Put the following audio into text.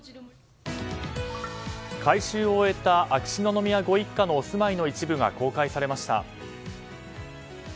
改修を終えた秋篠宮ご一家のお住いの一部が公開されました。